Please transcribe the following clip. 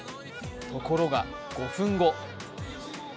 ところが５分後。